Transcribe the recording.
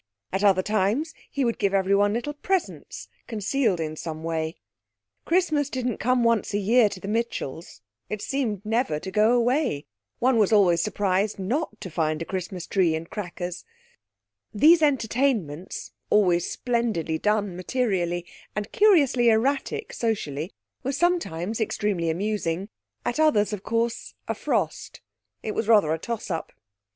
At other times he would give everyone little presents, concealed in some way. Christmas didn't come once a year to the Mitchells; it seemed never to go away. One was always surprised not to find a Christmas tree and crackers. These entertainments, always splendidly done materially, and curiously erratic socially, were sometimes extremely amusing; at others, of course, a frost; it was rather a toss up.